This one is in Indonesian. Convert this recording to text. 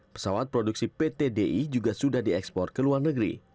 pesawat produksi ptdi juga sudah diekspor ke luar negeri